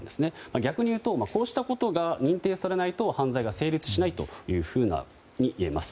逆にいうとこうしたことが認定されないと犯罪が成立しないといえます。